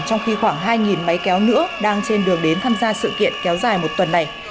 trong khi khoảng hai máy kéo nữa đang trên đường đến tham gia sự kiện kéo dài một tuần này